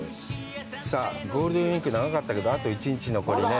さあ、ゴールデンウイーク、長かったけど、あと１日、残りね。